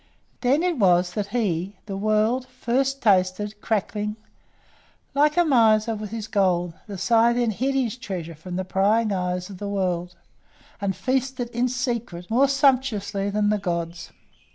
Then it was that he the world first tasted crackling. Like a miser with his gold, the Scythian hid his treasure from the prying eyes of the world, and feasted, in secret, more sumptuously than the gods.